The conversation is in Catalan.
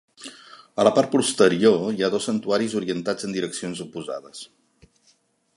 A la part posterior hi ha dos santuaris orientats en direccions oposades.